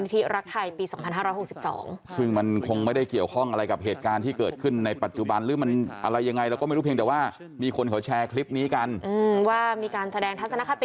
ที่จะแสดงทัศนคติในวันสตรีสากลว่าอย่างไรบ้าง